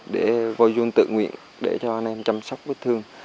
để voi jun tự nguyện để cho anh em chăm sóc vết thương